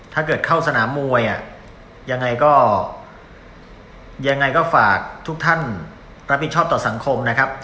ถ้าเกิดเข้าสนามมวยอ่ะยังไงก็ยังไงก็ฝากทุกท่านรับผิดชอบต่อสังคมนะครับ